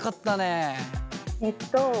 えっと